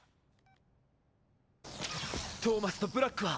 トーマスとブラックは。